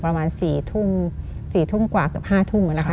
ประมาณ๔ทุ่ม๔ทุ่มกว่าเกือบ๕ทุ่มนะคะ